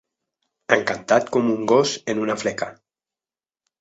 Encantat com un gos en una fleca.